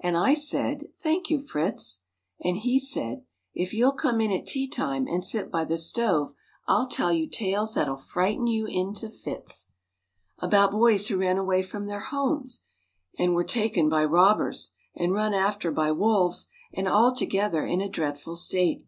And I said, "Thank you, Fritz." And he said, "If you'll come in at tea time and sit by the stove, I'll tell you tales that'll frighten you into fits. About boys who ran away from their homes, and were taken by robbers, and run after by wolves, and altogether in a dreadful state.